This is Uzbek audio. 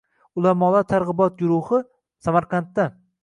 Ulamolar targ‘ibot guruhi – Samarqandda